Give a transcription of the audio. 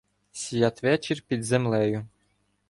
Святвечір під землею